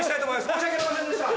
申し訳ございませんでした。